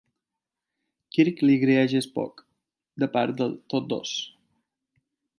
Kirk li agraeix a Spock: "de part de tots dos".